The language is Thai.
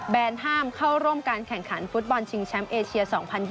ห้ามเข้าร่วมการแข่งขันฟุตบอลชิงแชมป์เอเชีย๒๐๒๐